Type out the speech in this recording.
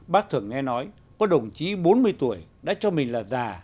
bác thường nghe nói có đồng chí bốn mươi tuổi đã cho mình là già